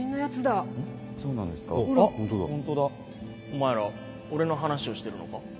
お前ら俺の話をしてるのか？